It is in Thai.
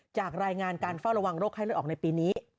จากรายงานการเฝ้าระวังโรคไข้เลือดออกในปีนี้